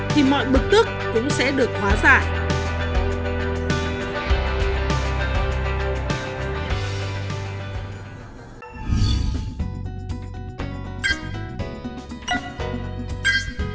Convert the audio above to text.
thì mọi bực tức cũng sẽ được giải quyết